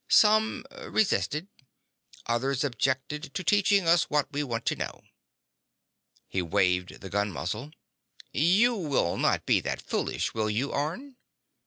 Some resisted. Others objected to teaching us what we want to know." He waved the gun muzzle. "You will not be that foolish, will you, Orne?"